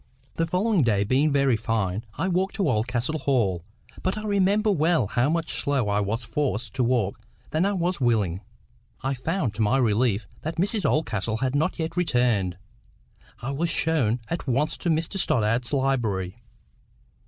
The following day being very fine, I walked to Oldcastle Hall; but I remember well how much slower I was forced to walk than I was willing. I found to my relief that Mrs Oldcastle had not yet returned. I was shown at once to Mr Stoddart's library.